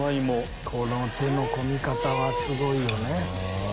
この手の込み方はすごいよね。